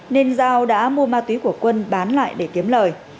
nên giao đã mua ma túy của quân bán lại để kiếm lời